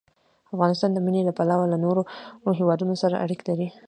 افغانستان د منی له پلوه له نورو هېوادونو سره اړیکې لري.